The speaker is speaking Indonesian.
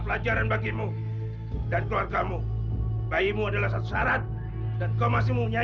pelajaran bagimu dan keluargamu bayimu adalah satu syarat dan kau masih mempunyai